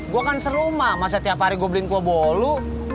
gua kan serumah masa tiap hari gua beliin kue bolu